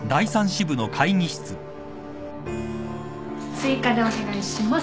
追加でお願いします。